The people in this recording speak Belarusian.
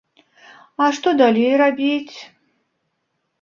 А што далей рабіць?